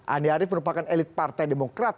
andi arief merupakan elit partai demokrat